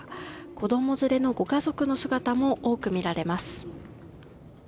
子供連れのご家族の姿も多く見られます。